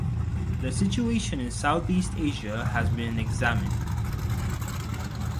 The situation in Southeast Asia has been examined.